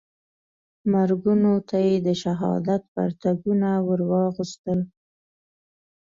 مرګونو ته یې د شهادت پرتګونه وراغوستل.